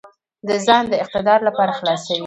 د ځان د اقتدار لپاره خلاصوي.